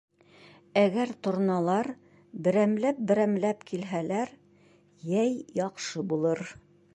Әгәр торналар берәмләп-берәмләп килһәләр, йәй яҡшы булыр